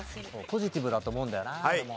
ポジティブだと思うんだよな俺も。